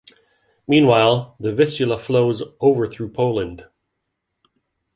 Meanwhile the Vistula flows over through Poland.